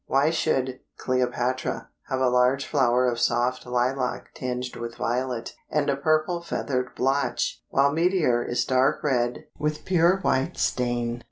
Why should Cleopatra have a large flower of soft lilac tinged with violet, and a purple feathered blotch, while Meteor is dark red with pure white stain?